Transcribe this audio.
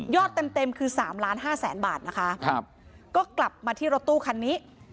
ยอดเต็มคือ๓ล้าน๕๐๐บาทนะคะก็กลับมาที่รถตู้คันนี้